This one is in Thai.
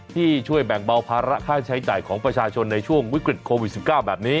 ที่ช่วยแบ่งเบาภาระค่าใช้จ่ายของประชาชนในช่วงวิกฤตโควิด๑๙แบบนี้